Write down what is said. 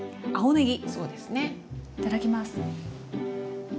いただきます。